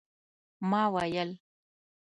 ما ویل